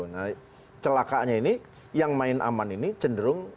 nah celakanya ini yang main aman ini cenderung